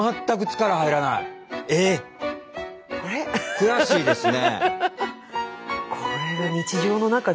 悔しいですね。